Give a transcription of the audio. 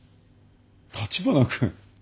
橘君。